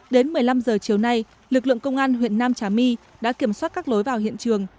đến một mươi năm h chiều nay lực lượng công an huyện nam trà my đã kiểm soát các lối vào hiện trường